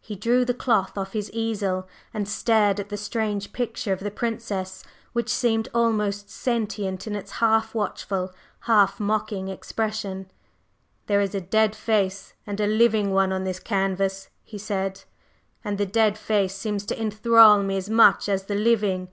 He drew the cloth off his easel and stared at the strange picture of the Princess, which seemed almost sentient in its half watchful, half mocking expression. "There is a dead face and a living one on this canvas," he said, "and the dead face seems to enthral me as much as the living.